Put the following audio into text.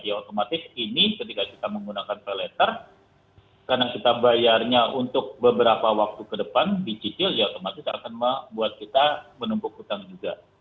ya otomatis ini ketika kita menggunakan pay letter karena kita bayarnya untuk beberapa waktu ke depan dicicil ya otomatis akan membuat kita menumpuk utang juga